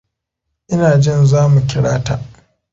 Ina jin za mu kira ta.